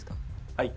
はい。